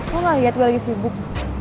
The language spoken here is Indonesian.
lo gak liat gue lagi sibuk